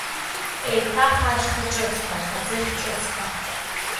Еиҭах ашьха ҿыцқәа, аӡыхь ҿыцқәа…